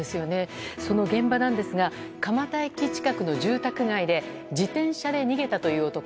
その現場なんですが蒲田駅近くの住宅街で自転車で逃げたという男。